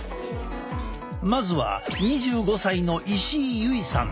まずは２５歳の石井優衣さん。